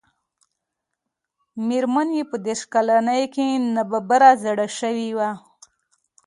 مېرمن يې په دېرش کلنۍ کې ناببره زړه شوې وه.